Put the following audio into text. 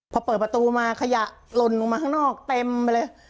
พอเปิดประตูมาขยะหล่นลงมาข้างนอกเต็มไปเลย